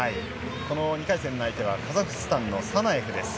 ２回戦の相手はカザフスタンのサナエフです。